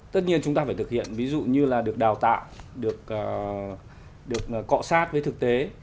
tất nhiên chúng ta phải thực hiện ví dụ như là được đào tạo được cọ sát với thực tế